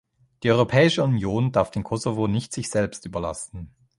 Die Europäische Union darf den Kosovo nicht sich selbst überlassen.